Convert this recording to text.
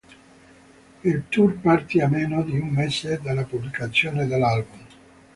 Il tour partì a meno di un mese dalla pubblicazione dell'album.